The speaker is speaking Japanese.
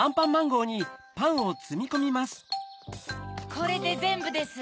これでぜんぶです。